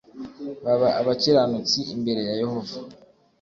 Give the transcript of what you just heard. baba abakiranutsi imbere ya Yehova